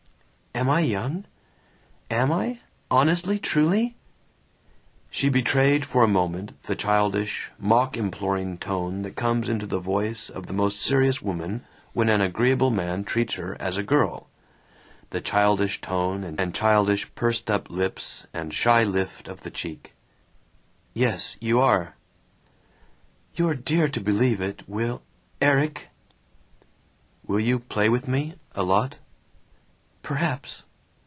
"Am I young? Am I? Honestly? Truly?" She betrayed for a moment the childish, mock imploring tone that comes into the voice of the most serious woman when an agreeable man treats her as a girl; the childish tone and childish pursed up lips and shy lift of the cheek. "Yes, you are!" "You're dear to believe it, Will ERIK!" "Will you play with me? A lot?" "Perhaps."